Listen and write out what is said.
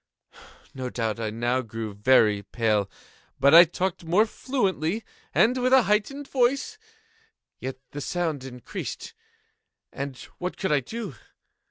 No doubt I now grew very pale;—but I talked more fluently, and with a heightened voice. Yet the sound increased—and what could I do?